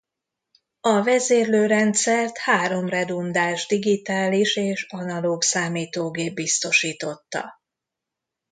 A vezérlő rendszert három redundáns digitális és analóg számítógép biztosította.